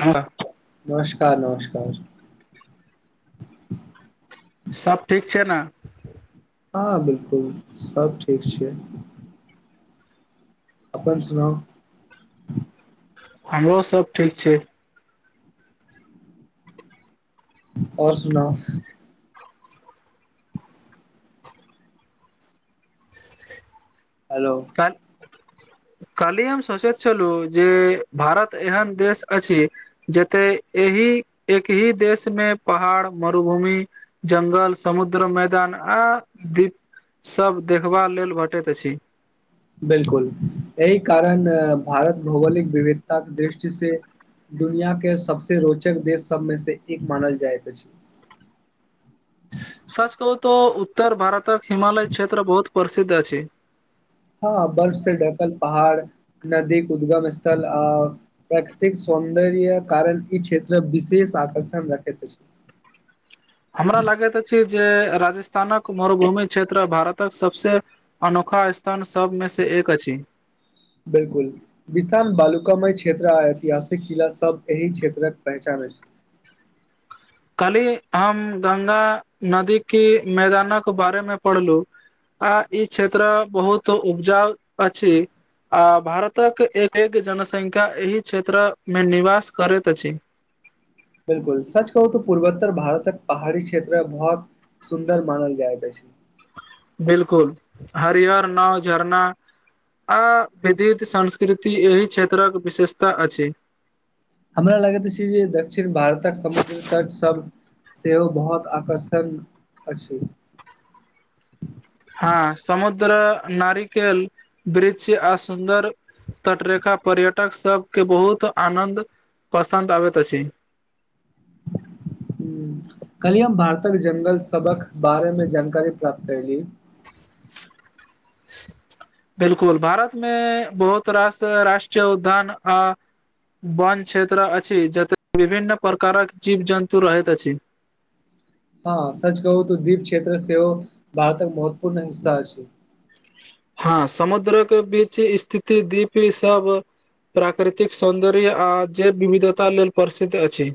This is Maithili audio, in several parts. हँ नमस्कार नमस्कार। सब ठीक छै नऽ। हँ बिलकुल सब ठीक छियै अपन सुनाउ। हमरो सब ठीक छै। आओर सुनाउ हेलो। तन काल्हि हम सोचैत छलहु जे भारत एहन देश अछि। जते एहि एकही देशमे पहाड़ मरुभूमि। जंगल समुद्र मैदान आ दीप। सभ देखबा लेल भेटैत अछि। बिलकुल एहि कारण भारत भौगोलिक विविधता कऽ दृष्टि से दुनिया केँ सबस रोचक देश सब मे से एक मानल जाइत अछि। सच कहू तो उत्तर भारतक हिमालय क्षेत्र बहुत प्रसिद्ध अछि। हँ बर्फ सँ ढकल पहाड़ नदी उदगम स्थल आओर प्रकृतिक सौन्दर्य कारण ई क्षेत्र विशेष आकर्षण रखैत अछि हमरा लागैत अछि जे राजस्थानक मरुभूमि क्षेत्र भारतक सबसे अनोखा स्थान सभ मे से एक अछि बिलकुल। विशाम बालुकामय क्षेत्र आ ऐतिहासिक किला सब एहि क्षेत्रक पहचान अछि। कल्हि हम गंगा नदी की मैदानक बारे मे पढ़लु। आ ई क्षेत्र बहुत उपजाउ अछि आ भारतक एक - एक जनसंख्या एहि क्षेत्र मे निवास करैत अछि। बिलकुल सच कहू तो पूर्वोत्तर भारतक पहाड़ी क्षेत्र बहुत सुन्दर मानल जाइत अछि बिलकुल हरिहर नाव झरना। आ विधित संस्कृति एहि क्षेत्रक विशेषता अछि। हमरा लगैत अछि जे दक्षिण भारतक समुद्र तट सब सेहो बहुत आकर्षण अछि हँ समुद्र नारिकेल वृक्ष आ सुन्दर तटरेखा पर्यटक सबके बहुत आनन्द पसन्द अबैत अछि। कल्हि हम भारतक जंगल सबक बारे मे जानकारी प्राप्त कैली। बिलकुल भारत मे बहुत रास राष्ट्रीय उद्यान आ वन क्षेत्र अछि जतय विभिन्न प्रकारक जीव जन्तु रहैत अछि। हँ सच कहू तो दीप क्षेत्र से हो भारतक महत्वपूर्ण हिस्सा अछि हँ समुद्र केँ बीच स्थिति दीप ई सब। प्राकृतिक सौन्दर्य आ जेव विविधता लेल प्रसिद्ध अछि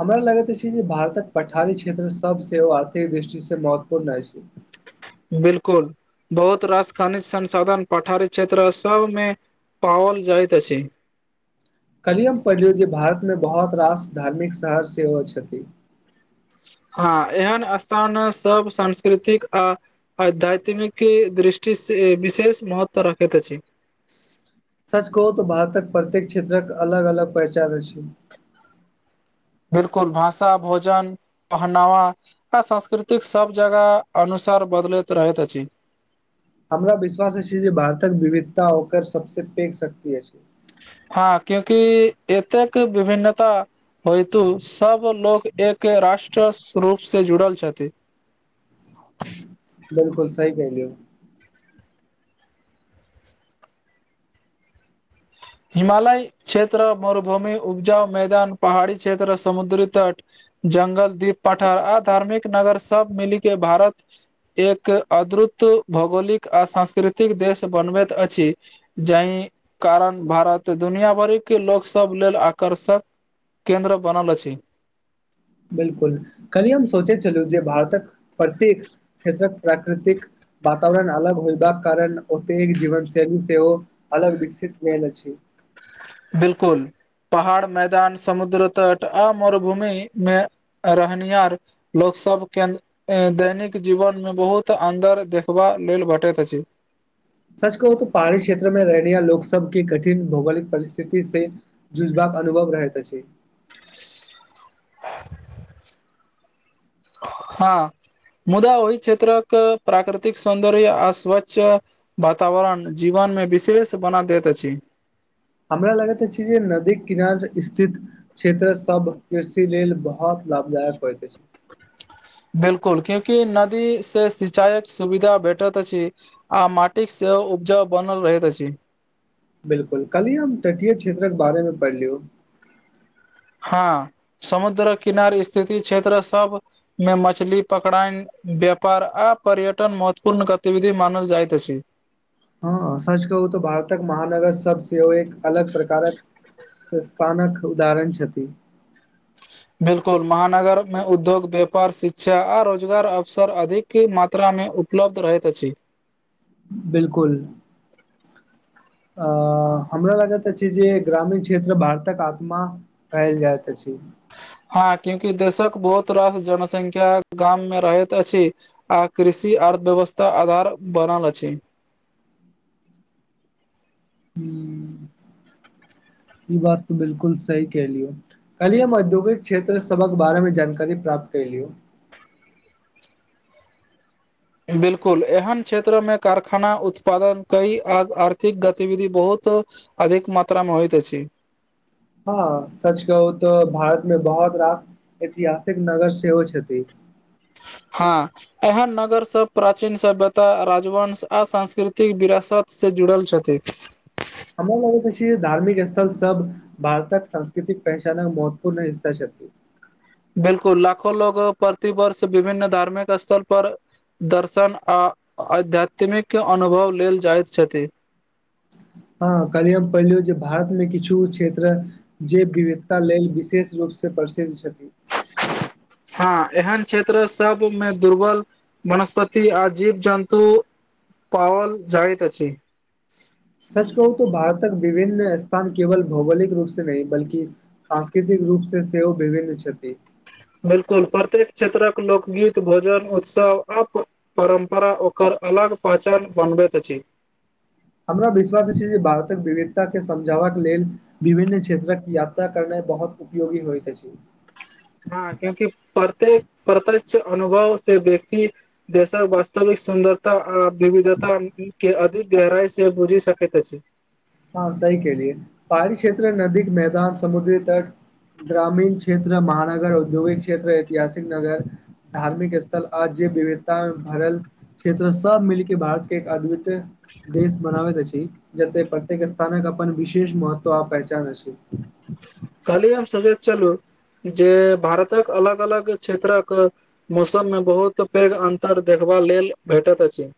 हमरा लगैत अछि जे भारतक पठारी क्षेत्र सब सेहो आर्थिक दृष्टि से महत्वपूर्ण अछि। बिलकुल बहुत रास खनिज संसाधन पठारित क्षेत्र सबमे। पावल जाइत अछि। काल्हि हम पढ़लिय जे भारतमे बहुत रास धार्मिक शहर सेहो छथि। हँ एहन स्थान सब सांस्कृतिक आ। आधत्मिकी दृष्टि सऽ विशेष महत्व राखैत अछि सच कहू तऽ भारतक प्रत्येक क्षेत्रक अलग अलग पहिचान अछि। बिल्कुल भाषा भोजन। पहनावा आ सास्कृतिक सभ जगह अनुसार बदलैत रहैत अछि। हमरा विश्वास अछि जे भारतक विविधता ओकर सबस पैघ शक्ति अछि। हँ क्योकि एतेक विभिन्नता। हेतु सभ लोक एक राष्ट्र रूपसँ जुड़ल छथि। [unintelligible] बिल्कुल सही कहहिलियौ। हिमालय क्षेत्र मरुभूमि उब्जाउ मैदान पहाड़ी क्षेत्र समुद्री तट। ज्ंगल दीप पठर आ धार्मिक नगर सब मिली के भारत। एक अदभुत भौगोलिक आ सांस्कृतिक देश बनबैत अछि। जाहि। कारण भारत दुनिआभरिके लोकसभ लेल आकर्षक केन्द्र बनल अछि। बिल्कुल काल्हि हम सोचैत छलहुँ जे भारतक प्रत्येक क्षेत्रक प्राकृतिक। वातावरण अलग होयबाक कारण ओतेक जीवन शैली सेहो। अलग विकसित भेल अछि बिल्कूल पहाड़ मैदान समुद्र तट आ मरुभूमि मे रहनिहार लोक सब केन्द दैनिक जीवन मे बहुत अन्दर देखबा लेल भेटैत अछि। सच कहूऽ पहाड़ी क्षेत्र में रहियाण लोक सबके कठिन भौगोलिक परिस्थिति से। झुजबाग अनुभव रहत अछि हँ। मुदा ओहि क्षेत्रक प्राकृतिक सौंन्दर्य अऽ स्वच्छ वातावरण जीवन मे विशेष बना दैत अछि हमरा लगेत अछि जे नदी कनार स्थित क्षेत्र सब कृषि लेल बहुत लाभदायक होइत अछि बिल्कुल क्यूंि नदी से सिंचाईक सुविधा भेटत अछि आ मटिक सेहो उपजाऊ बनल रहैत अछि बिल्कुल काल्हि हम तटीय क्षेत्र के बारे में पढ़लिय हँ समुद्र किनार स्थिति क्षेत्र सबमे मछली पकड़ाय व्यपार आ पर्यटन महत्वपूर्ण गतिविधि मानल जाइतइत छै हँ सच कहू तऽ भारतक महानगर सब सेहो एक अलग प्रकारक संस्थानक उदाहरण छथि बिल्कुल महानगर मे उद्योग व्यापार शिक्षा आ रोजगार अवसर अधिक किी मात्रामे उपलब्ध रहैत अछि बिल्कुल अ हमरा लागैत अछि जे ग्रामीण क्षेत्र भारतक आत्मा कहल जायत अछी हँ क्यूंकि देशक बहुत रास जनसंख्या गाम में रहैत अछि आ कृषि अर्थव्यवस्था आधार बनल अछि हू ई बात तऽ बिल्कुल सही कह लियौ कल हम औद्योगिक क्षेत्र सबक बारे मे जानकारी प्राप्त केलिय बिलकुल एहन क्षेत्र में कारखाना उत्पादन कई आ आर्थिक गतिविधि बहुत अधिक मात्रामे होइत अछि हँ सच कहू तऽ भारत मे बहुत रास ऐतिहासिक नगर सेहो छथि हँ एहन नगरसभ प्राचीन सभ्यता राजवंश आ सांस्कृतिक विरासतसँ जुड़ल छथि हमरा लगैत अछि जे धार्मिक स्थल सब भारतक सांस्कृतिक पहचानक महत्वपूर्ण हिस्सा चलति बिलकुल लाखो लोग प्रति वर्ष विभिन्न धार्मिक स्थल पर दर्शन आ आध्यात्मिक अनुभव लेल जाइत छथि हँ कलिय हम पहिलहु जे भारतमे किछु क्षेत्र जे विविधता लेल विशेष रूपसँ प्रसिद्ध छथिन हँ एहन क्षेत्र सबमे दुर्बल वनस्पति आ जीव जन्तु पावल जाइतइत अछि सच कहू त भारतक विभिन्न स्थान केवल भौगोलिक रूप से नहि बल्कि सांस्कृतिक रूप स सेहो विभिन्न छथि बिलकुल प्रत्येक क्षेत्रक लोकगीत भोजन उत्सव अप परम्परा ओकर अलग पहचान बनबैत अछि हमरा विश्वास अछि जे भारतक विविधता के समझावाक लेल विभिन्न क्षेत्रक यात्रा करना बहुत उपयोगी होइत अछि हँ क्यूंकि प्रत्येक प्रत्यक्ष अनुभव से व्यक्ती देशक वास्तविक सुन्दर ता आ विविधता के अधिक गहराइ से बुझि सकैत अछि ह सही केलिये पहाड़ी क्षेत्र नदी मैदान समुद्री तट ग्रामीण क्षेत्र महानगर औद्योगिक क्षेत्र ऐतिहासिक नगर धार्मिक स्थल आ जे विविधतामे भरल क्षेत्र सभ मिलिके भारत के एक अद्वितीय देश बनाबैत अछि जते प्रति प्रतेक स्थानक अपन विशेष महत्व आ पहचान अछि कल्ही हम सोचैत चलू जे भारतक अलग अलग क्षेत्रक मौसममे बहुत पैघ अन्तर देखबा लेल भेटैत अछि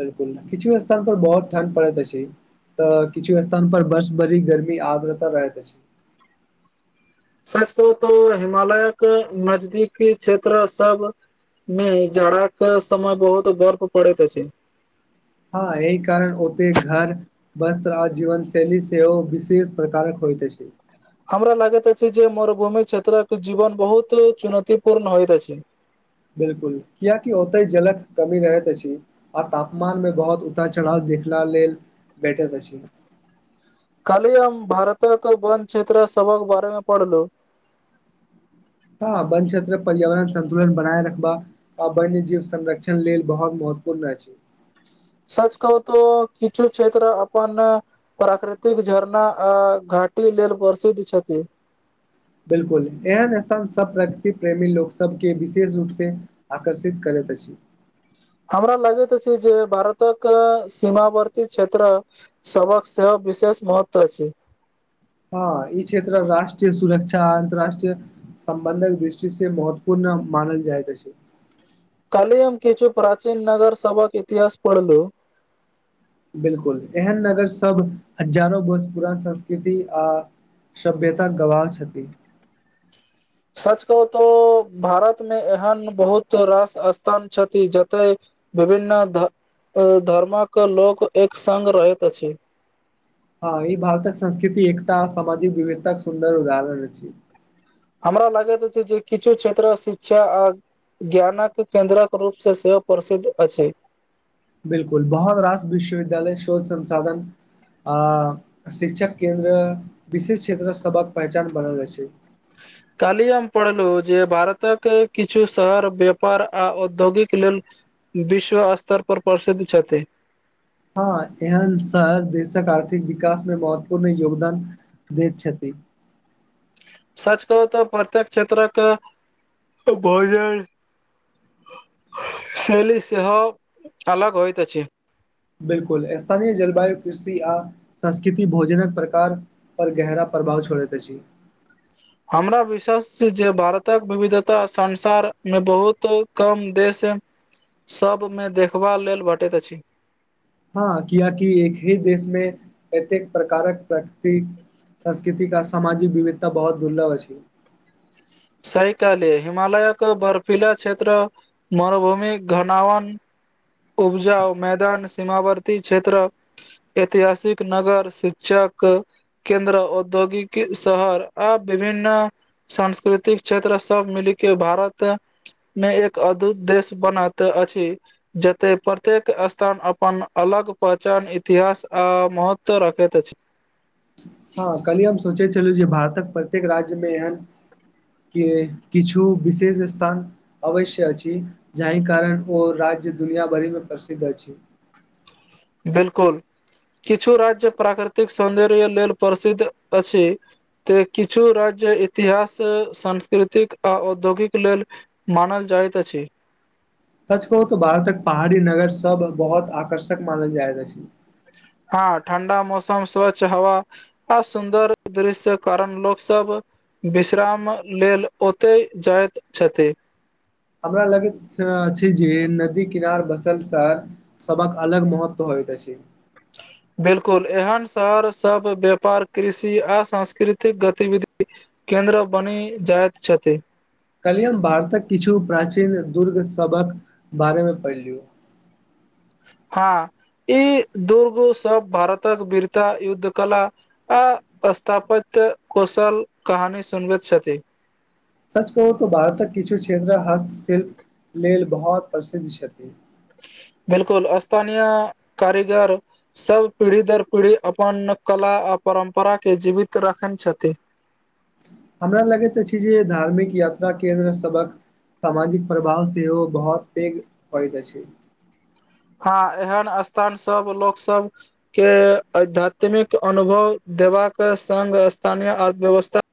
बिलकुल किछु स्थान पर बहुत ठंड परैत अछि तऽ किछु स्थान पर बस बरी गर्मी आग्रता रहैत अछि सच कहु तो हिमालयके नजदीकी क्षेत्र सब मे जाड़ाक समय बहुत बर्फ पड़ैत अछि हँ य कारण ओत घर वस्त्र आ जीवन शैली सेहो विशेष प्रकारक होइत अछि हमरा लागैत अछि जे मरुभूमि क्षेत्रक जीवन बहुत चुनौती पूर्ण होइत अछि बिल्कुल कियकि ओते जलक कमी रहैत अछि आ तापमान मे बहुत उतार चढ़ाव देखला लेल भेटैत अछि कल्ही हम भारतक वन क्षेत्र सबक बारे मे पढ़लौ हँ वन क्षेत्र पर्यावरण संन्तुलन बनाए रखबा आ वन्य जीव संरक्षण लेल बहुत महत्वपूर्ण अछि सच कहू तो किछु क्षेत्र अपन प्राकृतिक झरना आ घाटी लेल प्रसिद्ध छथि बिलकुल एहन स्थान सब प्रकृति प्रेमी लोक सबके विशेष रूप से आकर्षित करैत अछि हमरा लगैत अछि जे भारतक सीमावर्ती क्षेत्र सबहक सेहो विशेष महत्व अछि हँ ई क्षेत्र राष्ट्रीय सुरक्षा अन्तरराष्ट्रीय संबन्धक दृष्टि से महत्वपूर्ण मानल जाइत अछि कल्हि हम किछु प्राचीन नगर सभक इतिहास पढ़लू बिलकुल एहन नगर सब हजारो वर्ष पुरान संस्कृति आ सभ्यता गवाह छथि सच कहू तो भारत मे एहन बहुत रास स्थान छथि जतय विभिन्न ध - ए धर्मक लोक एक संग रहैत अछि हँ ई भारतक संस्कृति एकटा सामाजिक विविधताक सुन्दर उदाहरण अछि हमरा लागैत अछि जे किछु क्षेत्र शिक्षा आ ज्ञानक केन्द्रक रूपसँ सेहो प्रसिद्ध अछि बिलकुल बहुत रास विश्वविद्यालय शोध संसाधन आ शिक्षा केन्द्र विशेष क्षेत्र सबक पहचान बनल अछि [inaudible] काल्हि हम पढ़लहु जे भारतक किछु शहर व्यापार आ औद्योगिक लेल विश्व स्तर पर प्रसिद्ध छथि हँ एहन शहर देशक आर्थिक विकास मे महत्वपूर्ण योगदान दैत छथि सच कहू तो प्रत्येक क्षेत्रक भोजन शैली सेहो अलग होइत अछि बिलकुल स्थानीय जलवायु कृषि आ संस्कृति भोजनक प्रकार पर गेहरा प्रभाव छोड़ेत अछि हमरा विश्वास छै जे भारतक विविधता संसार मे बहुत कम देश सभमे देखबा लेल भेटैत अछि हँ कियाकि एक ही देशमे एतेक प्रकारक प्रकृति संस्कृतिक आ सामाजिक विविधता बहुत दुर्लभ अछि सही केहलियै हिमालयक बर्फीला क्षेत्र मरुभूमिक घनावन उपजाउ मैदान सीमावर्ती क्षेत्र ऐतिहासिक नगर शिक्षक केन्द्र औद्योगिकी शहर आ विभिन्न सांस्कृतिक क्षेत्र सब मिलिकेँ भारत मे एक अद्भत देश बनाते अछि जतैय प्रत्येक स्थान अपन अलग पहचान इतिहास आ महत्व रखैत अछि हँ कल्हि हम सोचै छलहुँ जे भारतक प्रत्येक राज्यमे एहेन की किछु विशेष स्थान अवश्य अछि जाहि कारण ओ राज्य दुनिया भरिमे प्रसिद्ध अछि बिलकुल किछु राज्य प्राकृतिक सौन्दर्य लेल प्रसिद्ध अछि ते किछु राज्य इतिहास सांस्कृतिक आ औद्योगिक लेल मानल जाइत अछि सच कहू तो भारतक पहाड़ी नगर सब बहुत आकर्षक मानल जाइत अछि हँ ठण्डा मौसम स्वच्छ हवा आ सुन्दर दृश्य कारण लोक सब विश्राम लेल ओतय जाइत छथि हमरा लगैत छै जे नदी किनार बसल शहर सबक अलग महत्व होइइत अछि [unintelligible] बिल्कुल एहन शहर सब व्यापार कृषि आ सांस्कृतिक गतिविधि केन्द्र बनि जाइत छथि काल्हि हम भारतक किछु प्राचीन दुर्गसभक बारेमे पढ़ि लियऔ हँ ई दुर्गो सब भारतक वीरता युद्ध कला आ स्स्थापित कुशल कही सुनवित छथि सच कहू तऽ भारतक किछु क्षेत्र हस्तशिल्प लेल बहुत प्रसिद्ध छथि बिल्कुल स्स्थानीय कारीगर सब पीढ़ी दर पीढ़ी अपन कला आ परम्परा के जीवित रखने छथिन हमरा लगैत छै जे धार्मिक यात्रा केन्द्र सबहक सामाजिक प्रभाव सेहो बहुत पैघ पड़ैत अछि हँ एहन स्थान सब लोक सब के आध्यात्मिक अनुभव देबाक संग स्थानीय अर्थव्यवस्था